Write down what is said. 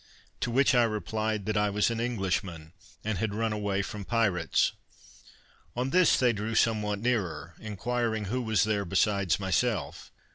to which I replied, "that I was an Englishman, and had run away from pirates." On this they drew somewhat nearer, inquiring who was there besides myself?